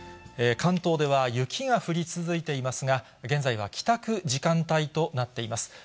関東では雪が降り続いていますが、現在は帰宅時間帯となっています。